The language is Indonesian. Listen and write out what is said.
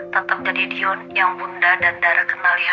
tetap jadi dion yang bunda dan dara kenal ya